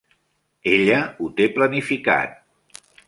Ella ho té planificat.